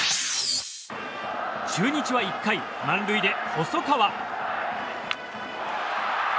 中日は１回、満塁で細川。